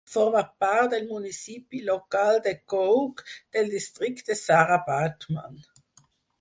Forma part del municipi local de Koug del districte Sarah Baartman.